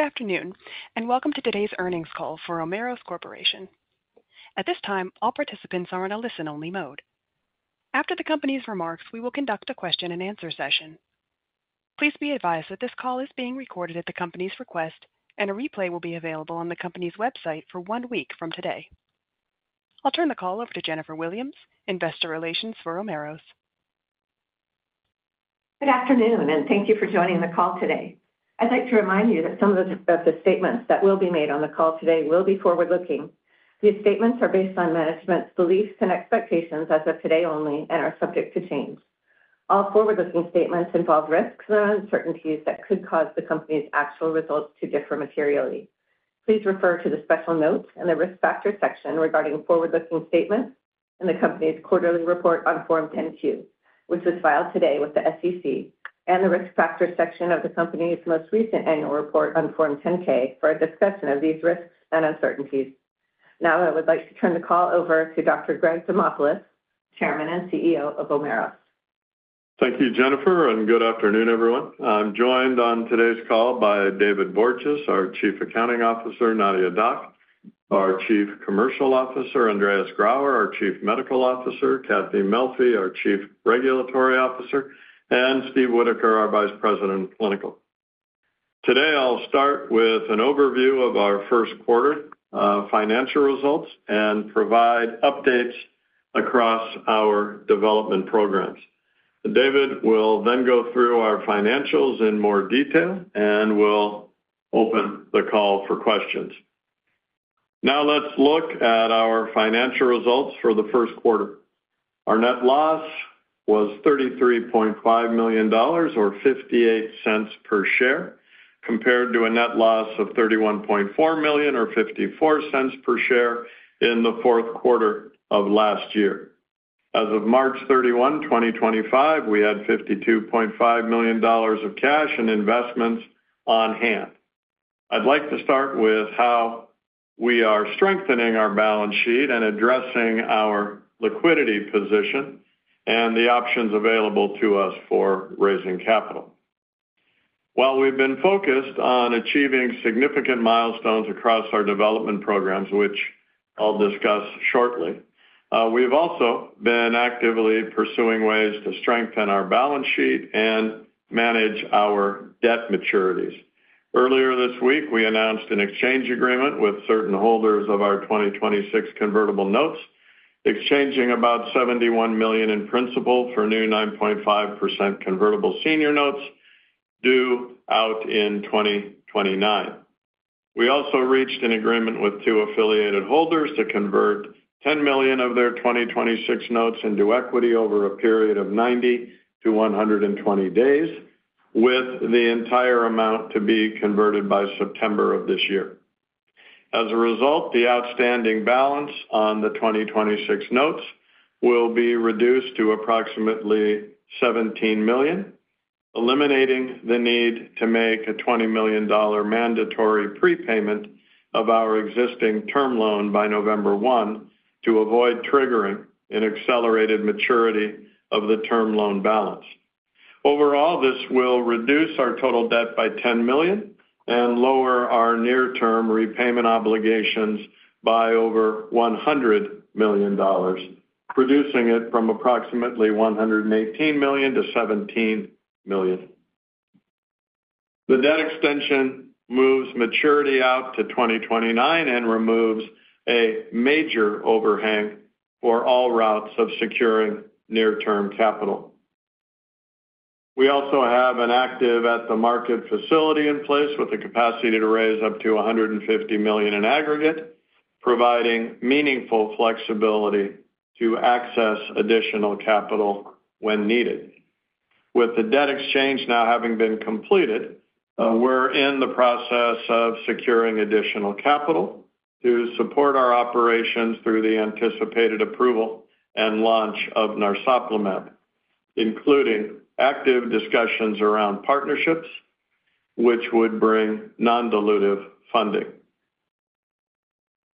Good afternoon, and welcome to today's earnings call for Omeros Corporation. At this time, all participants are in a listen-only mode. After the company's remarks, we will conduct a question-and-answer session. Please be advised that this call is being recorded at the company's request, and a replay will be available on the company's website for one week from today. I'll turn the call over to Jennifer Williams, Investor Relations for Omeros. Good afternoon, and thank you for joining the call today. I'd like to remind you that some of the statements that will be made on the call today will be forward-looking. These statements are based on management's beliefs and expectations as of today only and are subject to change. All forward-looking statements involve risks and uncertainties that could cause the company's actual results to differ materially. Please refer to the special notes in the risk factor section regarding forward-looking statements in the company's quarterly report on Form-10Q, which was filed today with the SEC, and the risk factor section of the company's most recent annual report on Form-10K for a discussion of these risks and uncertainties. Now, I would like to turn the call over to Dr. Greg Demopulos, Chairman and CEO of Omeros. Thank you, Jennifer, and good afternoon, everyone. I'm joined on today's call by David Borges, our Chief Accounting Officer; Nadia Dac, our Chief Commercial Officer; Andreas Grauer, our Chief Medical Officer; Kathy Melfi, our Chief Regulatory Officer; and Steve Whitaker, our Vice President of Clinical. Today, I'll start with an overview of our first quarter financial results and provide updates across our development programs. David will then go through our financials in more detail and will open the call for questions. Now, let's look at our financial results for the first quarter. Our net loss was $33.5 million, or $0.58 per share, compared to a net loss of $31.4 million, or $0.54 per share, in the fourth quarter of last year. As of March 31, 2025, we had $52.5 million of cash and investments on hand. I'd like to start with how we are strengthening our balance sheet and addressing our liquidity position and the options available to us for raising capital. While we've been focused on achieving significant milestones across our development programs, which I'll discuss shortly, we've also been actively pursuing ways to strengthen our balance sheet and manage our debt maturities. Earlier this week, we announced an exchange agreement with certain holders of our 2026 convertible notes, exchanging about $71 million in principal for new 9.5% convertible senior notes due out in 2029. We also reached an agreement with two affiliated holders to convert $10 million of their 2026 notes into equity over a period of 90-120 days, with the entire amount to be converted by September of this year. As a result, the outstanding balance on the 2026 notes will be reduced to approximately $17 million, eliminating the need to make a $20 million mandatory prepayment of our existing term loan by November 1 to avoid triggering an accelerated maturity of the term loan balance. Overall, this will reduce our total debt by $10 million and lower our near-term repayment obligations by over $100 million, reducing it from approximately $118 million to $17 million. The debt extension moves maturity out to 2029 and removes a major overhang for all routes of securing near-term capital. We also have an active at-the-market facility in place with a capacity to raise up to $150 million in aggregate, providing meaningful flexibility to access additional capital when needed. With the debt exchange now having been completed, we're in the process of securing additional capital to support our operations through the anticipated approval and launch of Narsoplimab, including active discussions around partnerships, which would bring non-dilutive funding.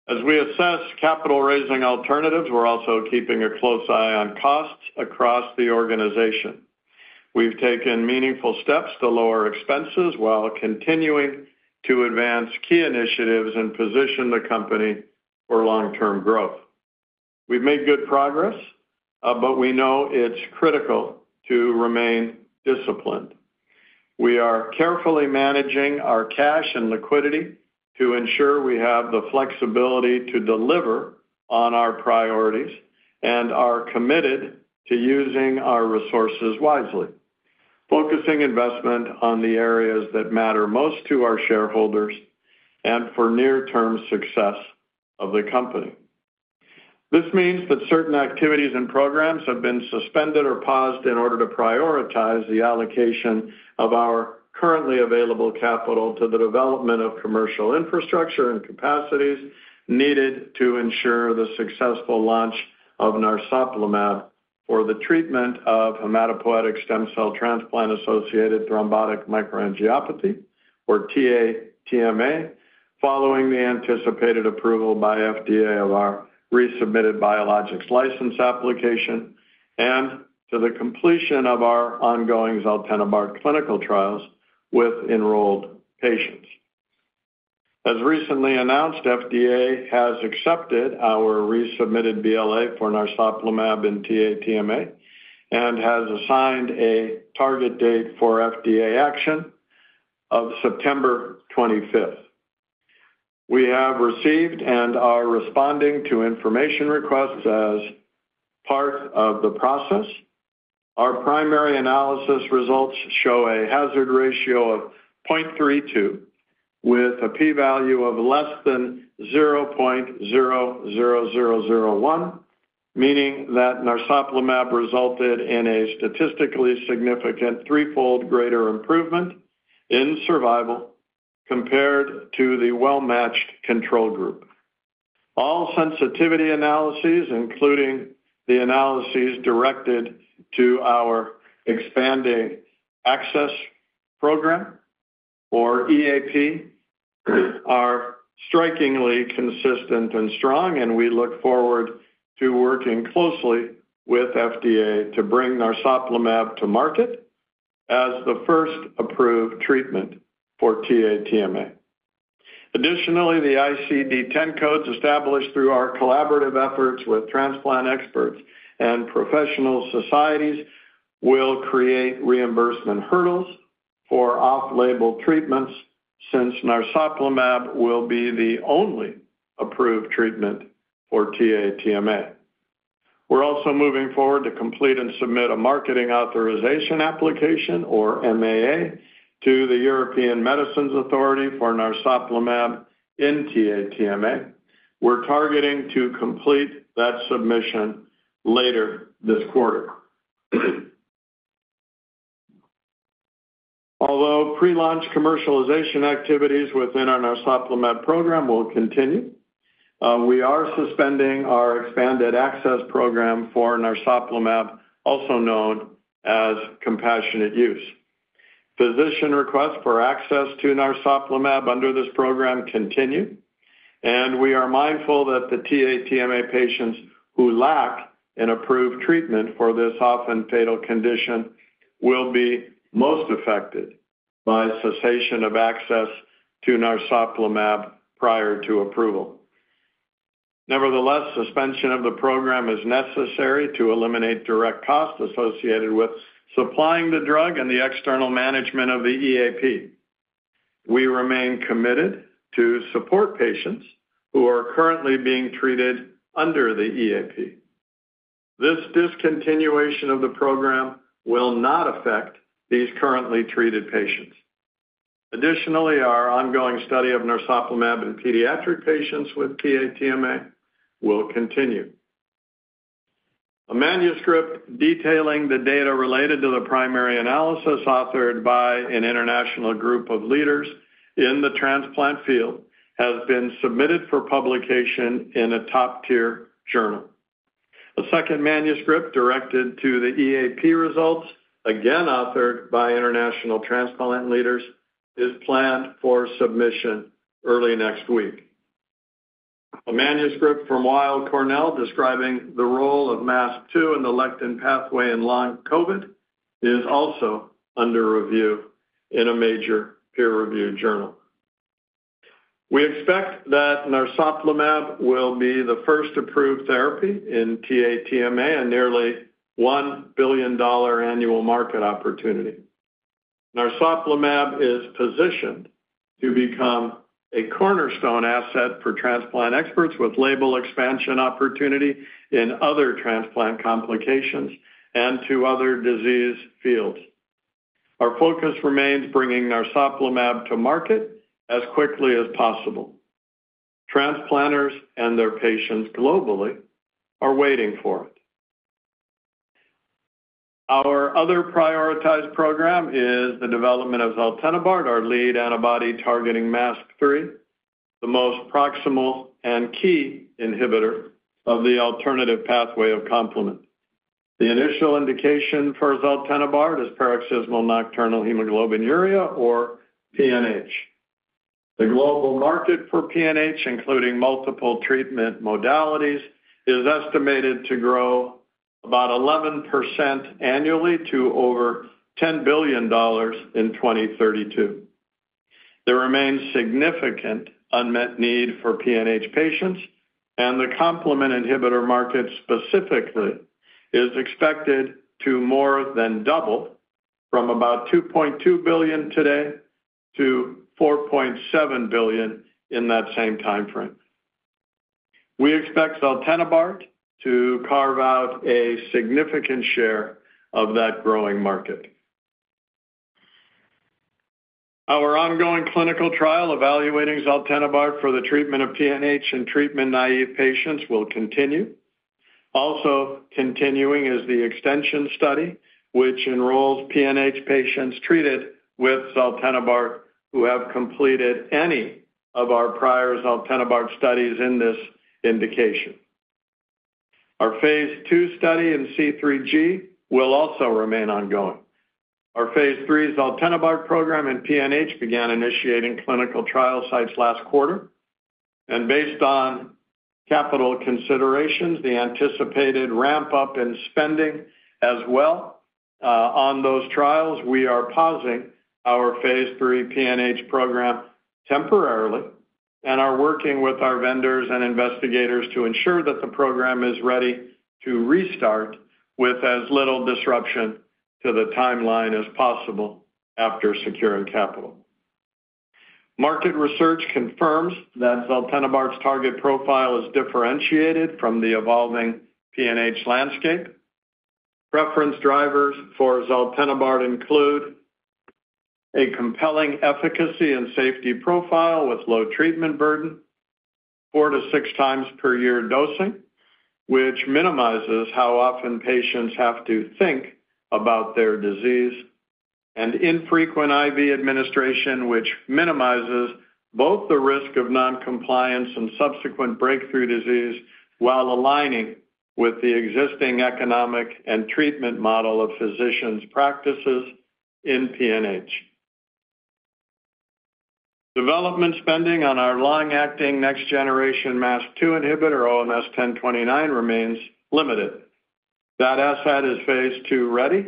As we assess capital-raising alternatives, we're also keeping a close eye on costs across the organization. We've taken meaningful steps to lower expenses while continuing to advance key initiatives and position the company for long-term growth. We've made good progress, but we know it's critical to remain disciplined. We are carefully managing our cash and liquidity to ensure we have the flexibility to deliver on our priorities and are committed to using our resources wisely, focusing investment on the areas that matter most to our shareholders and for near-term success of the company. This means that certain activities and programs have been suspended or paused in order to prioritize the allocation of our currently available capital to the development of commercial infrastructure and capacities needed to ensure the successful launch of Narsoplimab for the treatment of hematopoietic stem cell transplant-associated thrombotic microangiopathy, or TATMA, following the anticipated approval by FDA of our resubmitted Biologics License Application and to the completion of our ongoing Xeltenobard clinical trials with enrolled patients. As recently announced, FDA has accepted our resubmitted BLA for Narsoplimab and TATMA and has assigned a target date for FDA action of September 25th, 2025. We have received and are responding to information requests as part of the process. Our primary analysis results show a hazard ratio of 0.32, with a p-value of less than 0.00001, meaning that Narsoplimab resulted in a statistically significant threefold greater improvement in survival compared to the well-matched control group. All sensitivity analyses, including the analyses directed to our expanded access program, or EAP, are strikingly consistent and strong, and we look forward to working closely with FDA to bring Narsoplimab to market as the first approved treatment for TATMA. Additionally, the ICD-10 codes established through our collaborative efforts with transplant experts and professional societies will create reimbursement hurdles for off-label treatments since Narsoplimab will be the only approved treatment for TATMA. We're also moving forward to complete and submit a marketing authorization application, or MAA, to the European Medicines Authority for Narsoplimab in TATMA. We're targeting to complete that submission later this quarter. Although pre-launch commercialization activities within our Narsoplimab program will continue, we are suspending our expanded access program for Narsoplimab, also known as compassionate use. Physician requests for access to Narsoplimab under this program continue, and we are mindful that the TATMA patients who lack an approved treatment for this often fatal condition will be most affected by cessation of access to Narsoplimab prior to approval. Nevertheless, suspension of the program is necessary to eliminate direct costs associated with supplying the drug and the external management of the EAP. We remain committed to support patients who are currently being treated under the EAP. This discontinuation of the program will not affect these currently treated patients. Additionally, our ongoing study of Narsoplimab in pediatric patients with TATMA will continue. A manuscript detailing the data related to the primary analysis authored by an international group of leaders in the transplant field has been submitted for publication in a top-tier journal. A second manuscript directed to the EAP results, again authored by international transplant leaders, is planned for submission early next week. A manuscript from Weill Cornell describing the role of MASP-2 in the lectin pathway in Long COVID is also under review in a major peer-reviewed journal. We expect that Narsoplimab will be the first approved therapy in TATMA, a nearly $1 billion annual market opportunity. Narsoplimab is positioned to become a cornerstone asset for transplant experts with label expansion opportunity in other transplant complications and to other disease fields. Our focus remains bringing Narsoplimab to market as quickly as possible. Transplanters and their patients globally are waiting for it. Our other prioritized program is the development of Xeltenobard, our lead antibody targeting MASP-3, the most proximal and key inhibitor of the alternative pathway of complement. The initial indication for Xeltenobard is paroxysmal nocturnal hemoglobinuria, or PNH. The global market for PNH, including multiple treatment modalities, is estimated to grow about 11% annually to over $10 billion in 2032. There remains significant unmet need for PNH patients, and the complement inhibitor market specifically is expected to more than double from about $2.2 billion today to $4.7 billion in that same timeframe. We expect Xeltenobard to carve out a significant share of that growing market. Our ongoing clinical trial evaluating Xeltenobard for the treatment of PNH and treatment naive patients will continue. Also continuing is the extension study, which enrolls PNH patients treated with Xeltenobard who have completed any of our prior Xeltenobard studies in this indication. Our phase two study in C3G will also remain ongoing. Our phase three Xeltenobard program in PNH began initiating clinical trial sites last quarter, and based on capital considerations, the anticipated ramp-up in spending as well on those trials, we are pausing our phase three PNH program temporarily and are working with our vendors and investigators to ensure that the program is ready to restart with as little disruption to the timeline as possible after securing capital. Market research confirms that Xeltenobard's target profile is differentiated from the evolving PNH landscape. Preference drivers for Xeltenobard include a compelling efficacy and safety profile with low treatment burden, four- to six-times-per-year dosing, which minimizes how often patients have to think about their disease, and infrequent IV administration, which minimizes both the risk of noncompliance and subsequent breakthrough disease while aligning with the existing economic and treatment model of physicians' practices in PNH. Development spending on our long-acting next-generation MASP-2 inhibitor, OMS 1029, remains limited. That asset is phase two ready,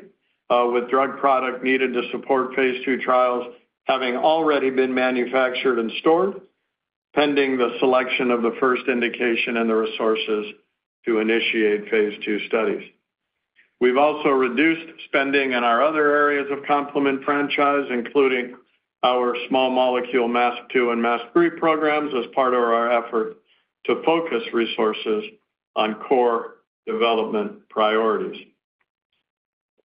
with drug product needed to support phase two trials having already been manufactured and stored, pending the selection of the first indication and the resources to initiate phase two studies. We have also reduced spending in our other areas of complement franchise, including our small molecule MASP-2 and MASP-3 programs, as part of our effort to focus resources on core development priorities.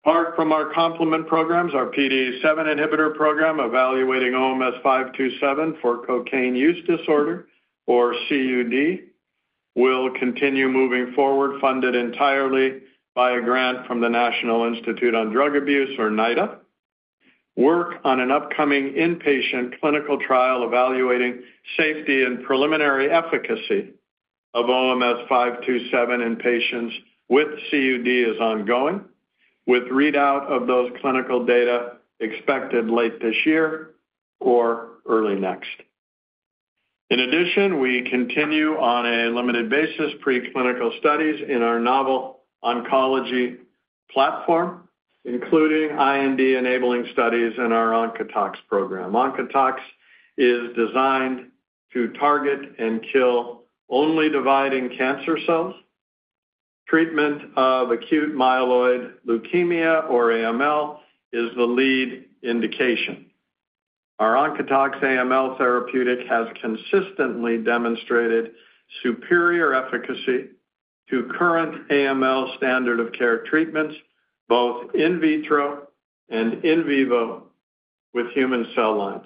Apart from our complement programs, our PD-7 inhibitor program evaluating OMS 527 for cocaine use disorder, or CUD, will continue moving forward, funded entirely by a grant from the National Institute on Drug Abuse, or NIDA. Work on an upcoming inpatient clinical trial evaluating safety and preliminary efficacy of OMS 527 in patients with CUD is ongoing, with readout of those clinical data expected late this year or early next. In addition, we continue on a limited basis preclinical studies in our novel oncology platform, including IND-enabling studies in our Oncotox program. Oncotox is designed to target and kill only dividing cancer cells. Treatment of acute myeloid leukemia, or AML, is the lead indication. Our Oncotox AML therapeutic has consistently demonstrated superior efficacy to current AML standard of care treatments, both in vitro and in vivo with human cell lines.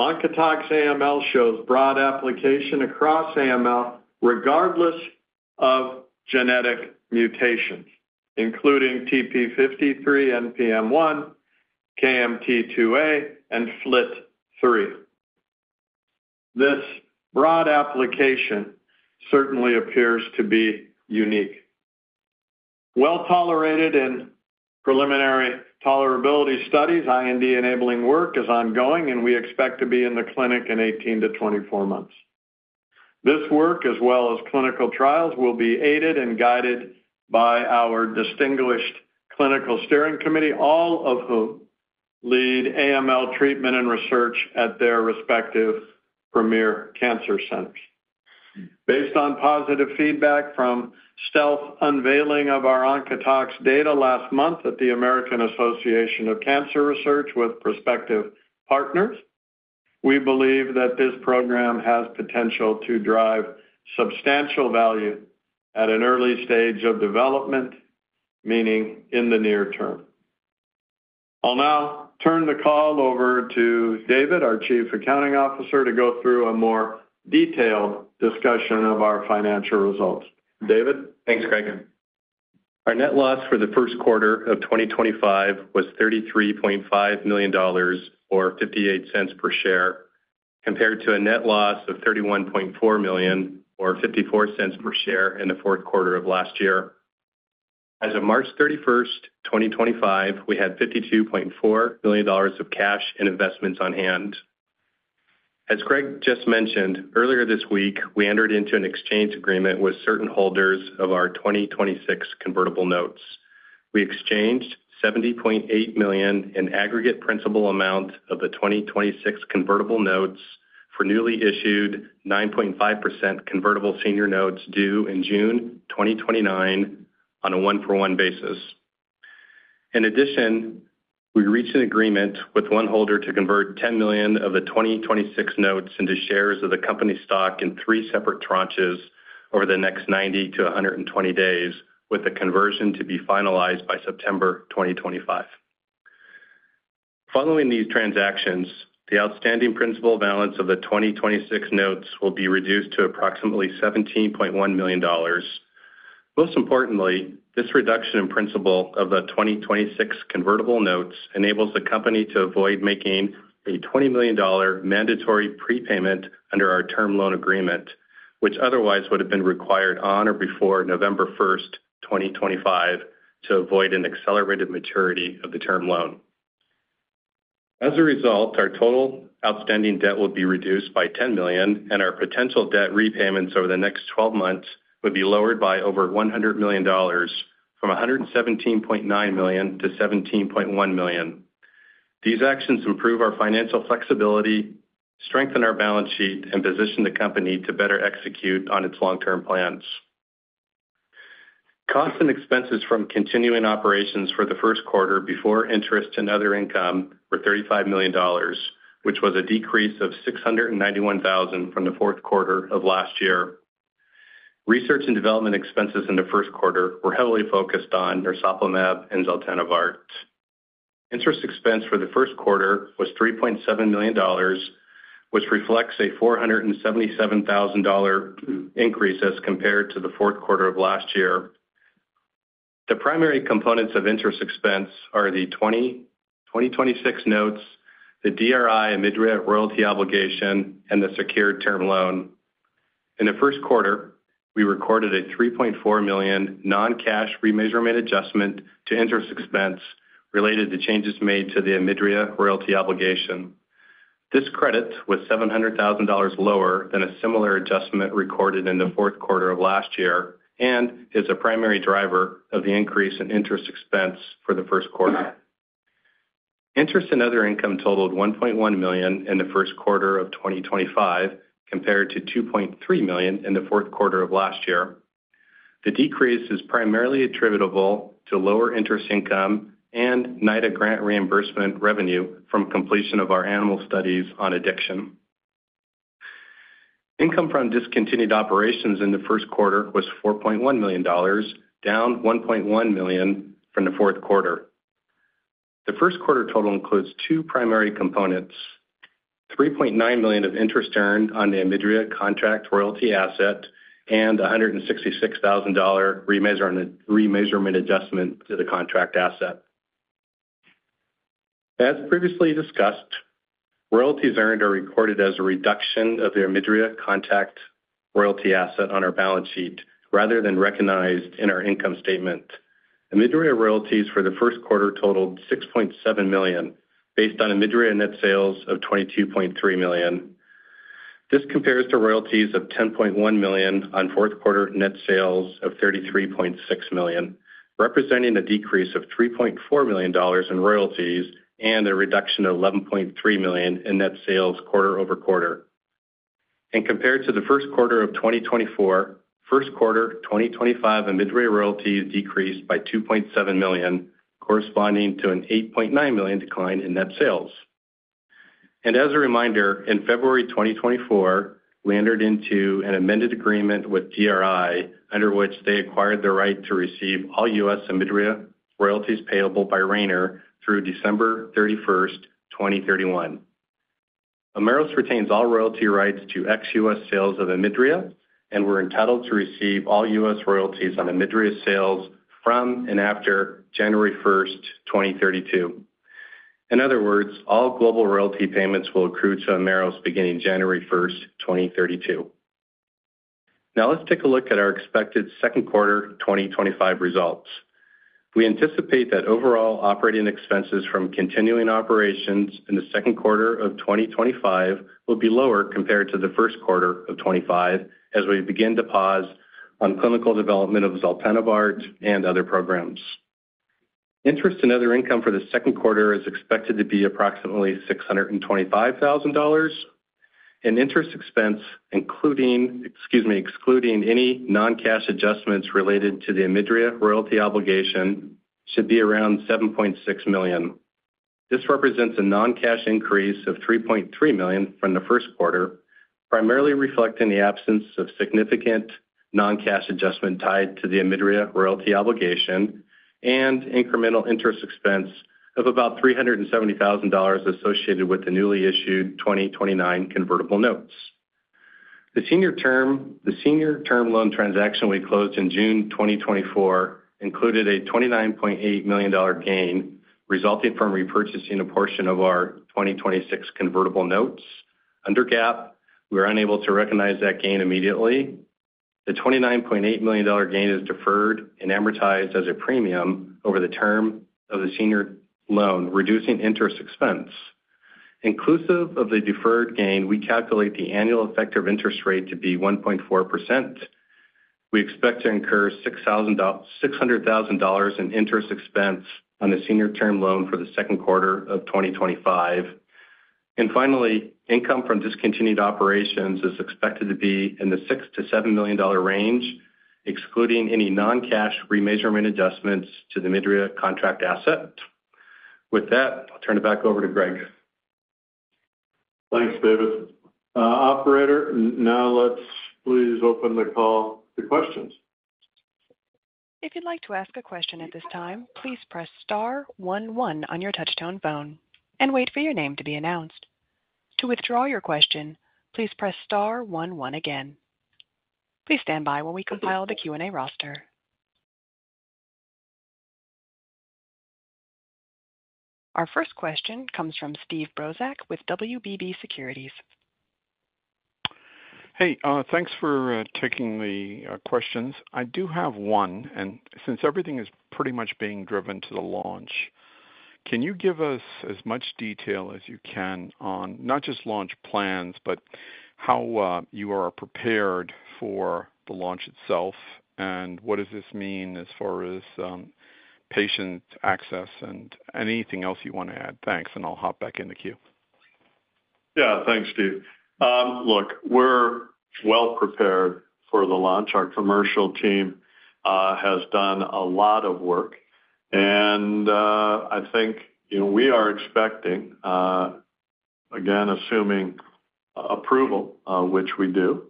Oncotox AML shows broad application across AML, regardless of genetic mutations, including TP53, NPM1, KMT2A, and FLT3. This broad application certainly appears to be unique. Well tolerated in preliminary tolerability studies, IND-enabling work is ongoing, and we expect to be in the clinic in 18 to 24 months. This work, as well as clinical trials, will be aided and guided by our distinguished clinical steering committee, all of whom lead AML treatment and research at their respective premier cancer centers. Based on positive feedback from stealth unveiling of our Oncotox data last month at the American Association of Cancer Research with prospective partners, we believe that this program has potential to drive substantial value at an early stage of development, meaning in the near term. I'll now turn the call over to David, our Chief Accounting Officer, to go through a more detailed discussion of our financial results. David? Thanks, Greg. Our net loss for the first quarter of 2025 was $33.5 million, or $0.58 per share, compared to a net loss of $31.4 million, or $0.54 per share, in the fourth quarter of last year. As of March 31st, 2025, we had $52.4 million of cash and investments on hand. As Greg just mentioned, earlier this week, we entered into an exchange agreement with certain holders of our 2026 convertible notes. We exchanged $70.8 million in aggregate principal amount of the 2026 convertible notes for newly issued 9.5% convertible senior notes due in June 2029 on a one-for-one basis. In addition, we reached an agreement with one holder to convert $10 million of the 2026 notes into shares of the company stock in three separate tranches over the next 90-120 days, with the conversion to be finalized by September 2025. Following these transactions, the outstanding principal balance of the 2026 notes will be reduced to approximately $17.1 million. Most importantly, this reduction in principal of the 2026 convertible notes enables the company to avoid making a $20 million mandatory prepayment under our term loan agreement, which otherwise would have been required on or before November 1st, 2025, to avoid an accelerated maturity of the term loan. As a result, our total outstanding debt will be reduced by $10 million, and our potential debt repayments over the next 12 months would be lowered by over $100 million, from $117.9 million to $17.1 million. These actions improve our financial flexibility, strengthen our balance sheet, and position the company to better execute on its long-term plans. Costs and expenses from continuing operations for the first quarter before interest and other income were $35 million, which was a decrease of $691,000 from the fourth quarter of last year. Research and development expenses in the first quarter were heavily focused on Narsoplimab and Xeltenobard. Interest expense for the first quarter was $3.7 million, which reflects a $477,000 increase as compared to the fourth quarter of last year. The primary components of interest expense are the 2026 notes, the DRI Omidria royalty obligation, and the secured term loan. In the first quarter, we recorded a $3.4 million non-cash remeasurement adjustment to interest expense related to changes made to the Omidria royalty obligation. This credit was $700,000 lower than a similar adjustment recorded in the fourth quarter of last year and is a primary driver of the increase in interest expense for the first quarter. Interest and other income totaled $1.1 million in the first quarter of 2025, compared to $2.3 million in the fourth quarter of last year. The decrease is primarily attributable to lower interest income and NIDA grant reimbursement revenue from completion of our animal studies on addiction. Income from discontinued operations in the first quarter was $4.1 million, down $1.1 million from the fourth quarter. The first quarter total includes two primary components: $3.9 million of interest earned on the Omidria contract royalty asset and a $166,000 remeasurement adjustment to the contract asset. As previously discussed, royalties earned are recorded as a reduction of the Omidria contract royalty asset on our balance sheet, rather than recognized in our income statement. Omidria royalties for the first quarter totaled $6.7 million, based on Omidria net sales of $22.3 million. This compares to royalties of $10.1 million on fourth quarter net sales of $33.6 million, representing a decrease of $3.4 million in royalties and a reduction of $11.3 million in net sales quarter over quarter. Compared to the first quarter of 2024, first quarter 2025 Omidria royalties decreased by $2.7 million, corresponding to an $8.9 million decline in net sales. As a reminder, in February 2024, we entered into an amended agreement with GRI, under which they acquired the right to receive all U.S. Omidria royalties payable by Rayner through December 31st, 2031. Omeros retains all royalty rights to ex-U.S. sales of Omidria and we are entitled to receive all U.S. royalties on Omidria sales from and after January 1st, 2032. In other words, all global royalty payments will accrue to Omeros beginning January 1st, 2032. Now let's take a look at our expected second quarter 2025 results. We anticipate that overall operating expenses from continuing operations in the second quarter of 2025 will be lower compared to the first quarter of 2025, as we begin to pause on clinical development of Xeltenobard and other programs. Interest and other income for the second quarter is expected to be approximately $625,000. Interest expense, excluding any non-cash adjustments related to the Omidria royalty obligation, should be around $7.6 million. This represents a non-cash increase of $3.3 million from the first quarter, primarily reflecting the absence of significant non-cash adjustment tied to the Omidria royalty obligation and incremental interest expense of about $370,000 associated with the newly issued 2029 convertible notes. The senior term loan transaction we closed in June 2024 included a $29.8 million gain, resulting from repurchasing a portion of our 2026 convertible notes. Under GAAP, we were unable to recognize that gain immediately. The $29.8 million gain is deferred and amortized as a premium over the term of the senior loan, reducing interest expense. Inclusive of the deferred gain, we calculate the annual effective interest rate to be 1.4%. We expect to incur $600,000 in interest expense on the senior term loan for the second quarter of 2025. Finally, income from discontinued operations is expected to be in the $6-$7 million range, excluding any non-cash remeasurement adjustments to the Omidria contract asset. With that, I'll turn it back over to Greg. Thanks, David. Operator, now let's please open the call to questions. If you'd like to ask a question at this time, please press star one one on your touch-tone phone and wait for your name to be announced. To withdraw your question, please press star one one again. Please stand by while we compile the Q&A roster. Our first question comes from Steve Brozak with WBB Securities. Hey, thanks for taking the questions. I do have one, and since everything is pretty much being driven to the launch, can you give us as much detail as you can on not just launch plans, but how you are prepared for the launch itself, and what does this mean as far as patient access and anything else you want to add? Thanks, and I'll hop back in the queue. Yeah, thanks, Steve. Look, we're well prepared for the launch. Our commercial team has done a lot of work, and I think we are expecting, again, assuming approval, which we do,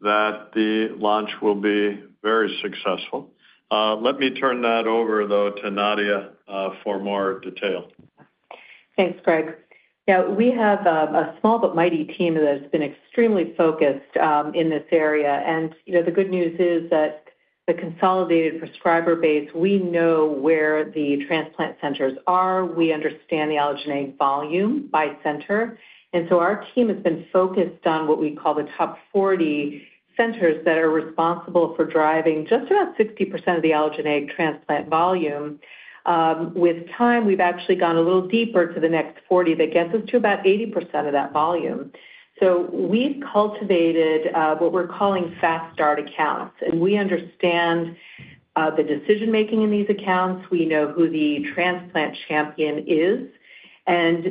that the launch will be very successful. Let me turn that over, though, to Nadia for more detail. Thanks, Greg. Yeah, we have a small but mighty team that has been extremely focused in this area. The good news is that the consolidated prescriber base, we know where the transplant centers are. We understand the Allogeneic volume by center. Our team has been focused on what we call the top 40 centers that are responsible for driving just about 60% of the Allogeneic transplant volume. With time, we've actually gone a little deeper to the next 40 that gets us to about 80% of that volume. We've cultivated what we're calling fast start accounts, and we understand the decision-making in these accounts. We know who the transplant champion is.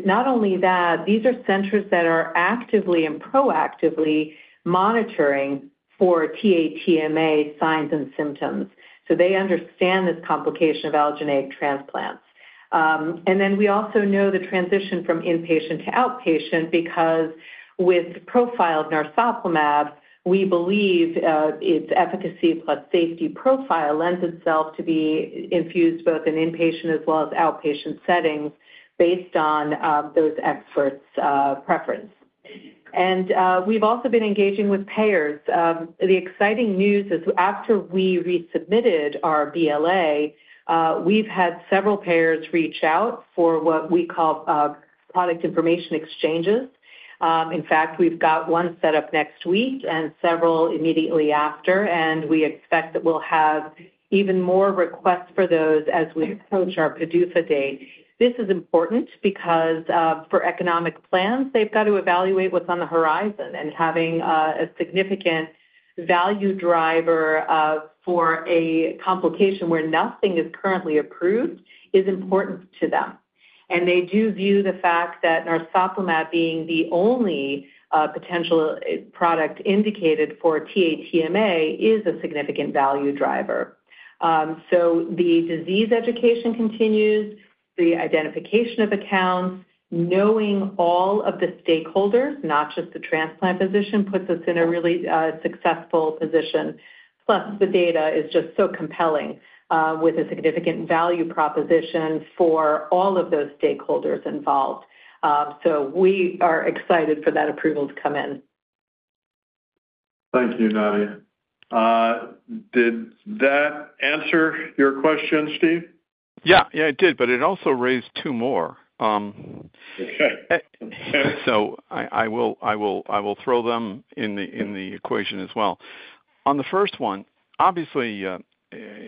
Not only that, these are centers that are actively and proactively monitoring for TATMA signs and symptoms. They understand this complication of Allogeneic transplants. We also know the transition from inpatient to outpatient because with profiled Narsoplimab, we believe its efficacy plus safety profile lends itself to be infused both in inpatient as well as outpatient settings based on those experts' preference. We have also been engaging with payers. The exciting news is after we resubmitted our BLA, we have had several payers reach out for what we call product information exchanges. In fact, we have one set up next week and several immediately after, and we expect that we will have even more requests for those as we approach our PDUFA date. This is important because for economic plans, they have to evaluate what is on the horizon, and having a significant value driver for a complication where nothing is currently approved is important to them. They do view the fact that Narsoplimab, being the only potential product indicated for TATMA, is a significant value driver. The disease education continues, the identification of accounts, knowing all of the stakeholders, not just the transplant physician, puts us in a really successful position. Plus, the data is just so compelling with a significant value proposition for all of those stakeholders involved. We are excited for that approval to come in. Thank you, Nadia. Did that answer your question, Steve? Yeah, yeah, it did, but it also raised two more. I will throw them in the equation as well. On the first one, obviously,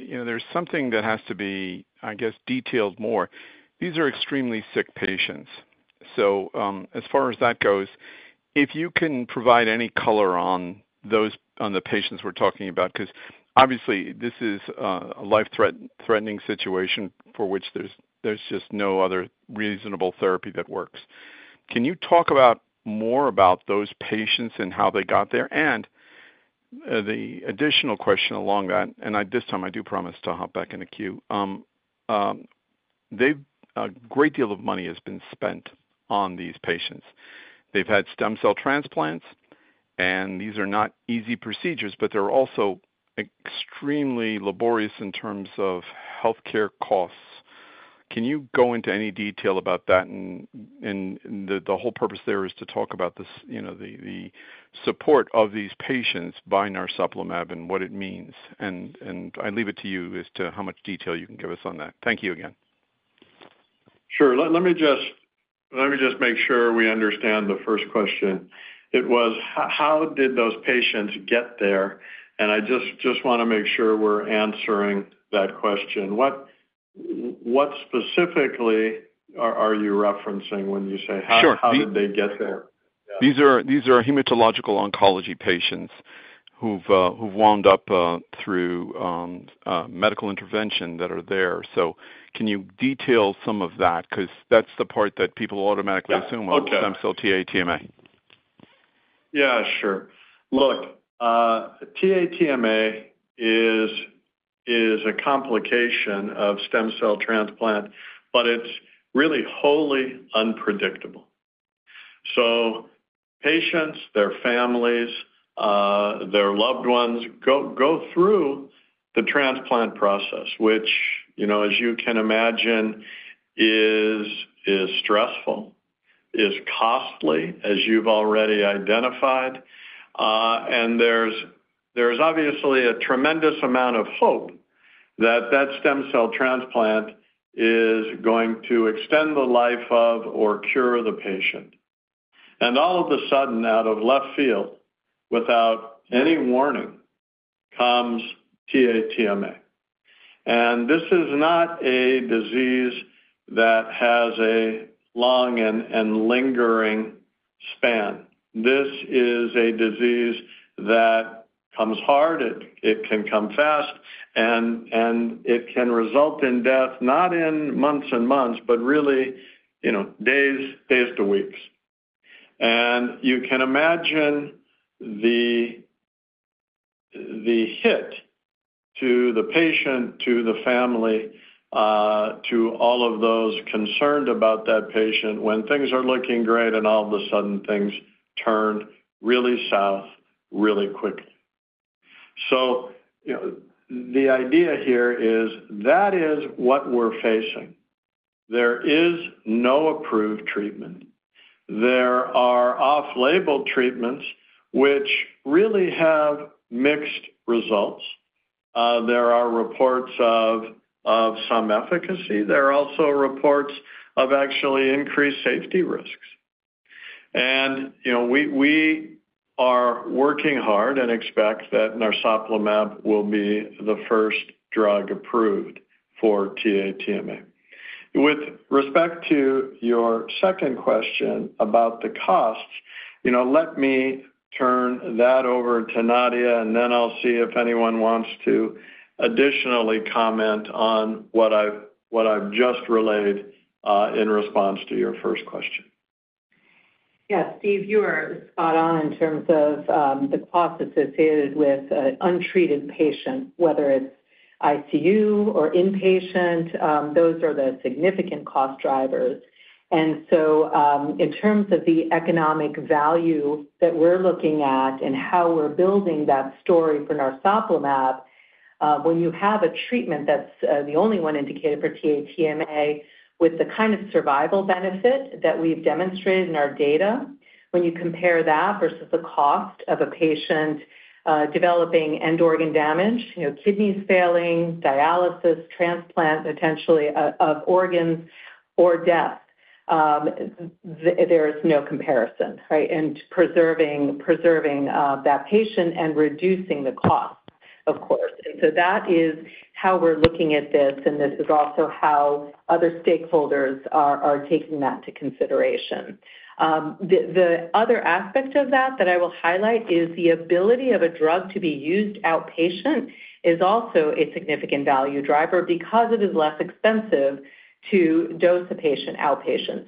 there is something that has to be, I guess, detailed more. These are extremely sick patients. As far as that goes, if you can provide any color on the patients we are talking about, because obviously, this is a life-threatening situation for which there is just no other reasonable therapy that works. Can you talk more about those patients and how they got there? The additional question along that, and this time I do promise to hop back in the queue. A great deal of money has been spent on these patients. They have had stem cell transplants, and these are not easy procedures, but they are also extremely laborious in terms of healthcare costs. Can you go into any detail about that? The whole purpose there is to talk about the support of these patients by Narsoplimab and what it means. I leave it to you as to how much detail you can give us on that. Thank you again. Sure. Let me just make sure we understand the first question. It was, how did those patients get there? I just want to make sure we're answering that question. What specifically are you referencing when you say, how did they get there? These are hematological oncology patients who've wound up through medical intervention that are there. Can you detail some of that? Because that's the part that people automatically assume are stem cell TATMA. Yeah, sure. Look, TATMA is a complication of stem cell transplant, but it is really wholly unpredictable. So patients, their families, their loved ones go through the transplant process, which, as you can imagine, is stressful, is costly, as you have already identified. There is obviously a tremendous amount of hope that that stem cell transplant is going to extend the life of or cure the patient. All of a sudden, out of left field, without any warning, comes TATMA. This is not a disease that has a long and lingering span. This is a disease that comes hard. It can come fast, and it can result in death, not in months and months, but really days to weeks. You can imagine the hit to the patient, to the family, to all of those concerned about that patient when things are looking great and all of a sudden things turn really south really quickly. The idea here is that is what we're facing. There is no approved treatment. There are off-label treatments which really have mixed results. There are reports of some efficacy. There are also reports of actually increased safety risks. We are working hard and expect that Narsoplimab will be the first drug approved for TATMA. With respect to your second question about the costs, let me turn that over to Nadia, and then I'll see if anyone wants to additionally comment on what I've just relayed in response to your first question. Yes, Steve, you are spot on in terms of the cost associated with an untreated patient, whether it's ICU or inpatient. Those are the significant cost drivers. In terms of the economic value that we're looking at and how we're building that story for Narsoplimab, when you have a treatment that's the only one indicated for TATMA with the kind of survival benefit that we've demonstrated in our data, when you compare that versus the cost of a patient developing end-organ damage, kidneys failing, dialysis, transplant potentially of organs, or death, there is no comparison, right? Preserving that patient and reducing the cost, of course. That is how we're looking at this, and this is also how other stakeholders are taking that into consideration. The other aspect of that that I will highlight is the ability of a drug to be used outpatient is also a significant value driver because it is less expensive to dose a patient outpatient.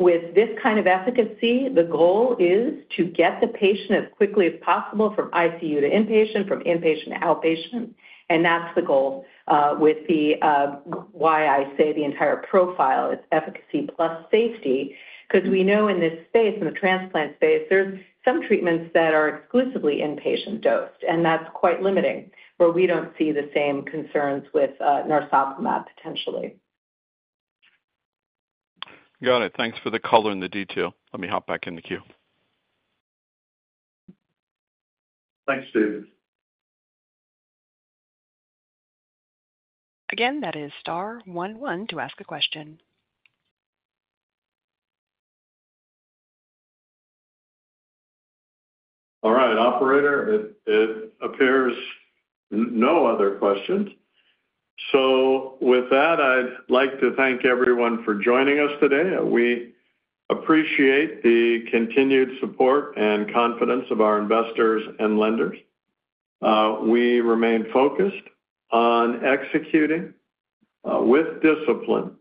With this kind of efficacy, the goal is to get the patient as quickly as possible from ICU to inpatient, from inpatient to outpatient. That is the goal with the why I say the entire profile is efficacy plus safety, because we know in this space, in the transplant space, there are some treatments that are exclusively inpatient dosed, and that is quite limiting, where we do not see the same concerns with Narsoplimab potentially. Got it. Thanks for the color and the detail. Let me hop back in the queue. Thanks, Steve. Again, that is star one one to ask a question. All right, Operator, it appears no other questions. With that, I'd like to thank everyone for joining us today. We appreciate the continued support and confidence of our investors and lenders. We remain focused on executing with discipline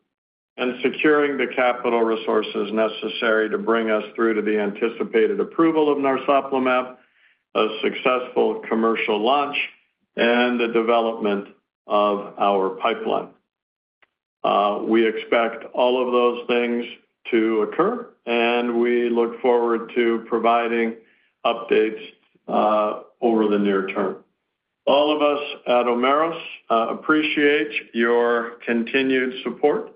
and securing the capital resources necessary to bring us through to the anticipated approval of Narsoplimab, a successful commercial launch, and the development of our pipeline. We expect all of those things to occur, and we look forward to providing updates over the near term. All of us at Omeros appreciate your continued support.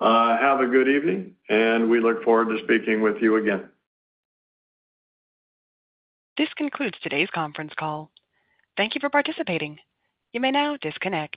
Have a good evening, and we look forward to speaking with you again. This concludes today's conference call. Thank you for participating. You may now disconnect.